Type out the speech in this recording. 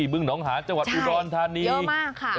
เบื้องหนองหาจังหวัดอุรณฑานีใช่เยอะมากค่ะ